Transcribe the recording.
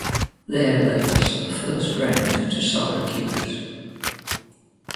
There they lost in the First Round to Syracuse.